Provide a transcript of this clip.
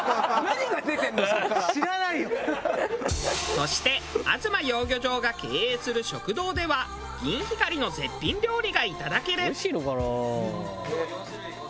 そしてあづま養魚場が経営する食堂ではギンヒカリの絶品料理がいただける。